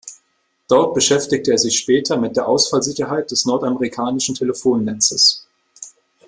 Dort beschäftigte er sich später mit der Ausfallsicherheit des nordamerikanischen Telefonnetzes.